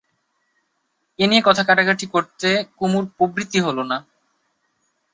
এ নিয়ে কথা-কাটাকাটি করতে কুমুর প্রবৃত্তি হল না।